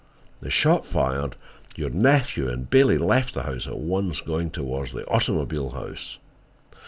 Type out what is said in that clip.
The shot fired, your nephew and Bailey left the house at once, going toward the automobile house.